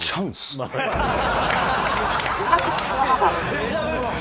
デジャブ！